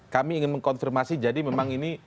kami ingin mengkonfirmasi jadi memang ini